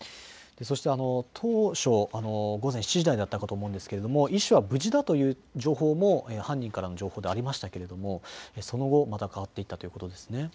そして当初、午前７時台だったかと思うのですが、医師は無事だという情報も犯人からの情報でありましたけれどもその後、また変わっていたということですね。